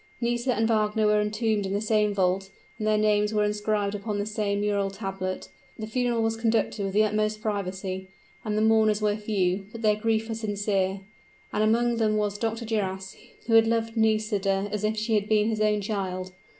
Nisida and Wagner were entombed in the same vault; and their names were inscribed upon the same mural tablet. The funeral was conducted with the utmost privacy and the mourners were few, but their grief was sincere. And among them was Dr. Duras, who had loved Nisida as if she had been his own child.